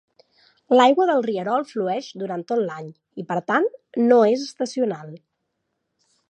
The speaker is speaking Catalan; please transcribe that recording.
L'aigua del rierol flueix durant tot l'any, i per tant no és estacional.